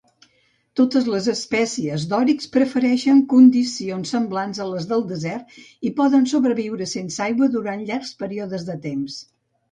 Totes les espècies d'òrix prefereixen condicions semblants a les del desert i poden sobreviure sense aigua durant llargs períodes de temps.